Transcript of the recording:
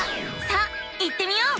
さあ行ってみよう！